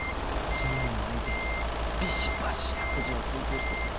そんなのを相手にびしばし悪事を追及しててさ。